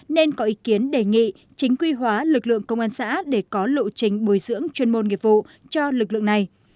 nên có ý kiến đề nghị chính quy hóa lực lượng công an xã để có lộ trình bồi dưỡng chuyên môn nghiệp vụ cho lực lượng này